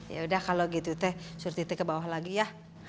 yaudah kalau gitu teh suruh titi ke bawah lagi ya